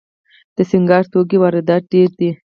د سینګار توکو واردات ډیر دي